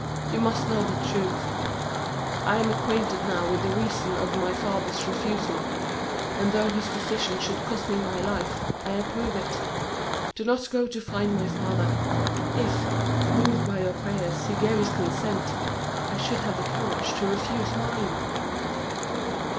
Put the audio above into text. you must know the truth. I am acquainted now with the reasons of my father's refusal; and though his decision should cost me my life, I approve it. Do not go to find my father. If, moved by your prayers, he gave his consent, I should have the courage to refuse mine!"